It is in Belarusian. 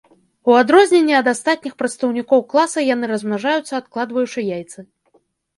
У адрозненне ад астатніх прадстаўнікоў класа яны размнажаюцца, адкладваючы яйцы.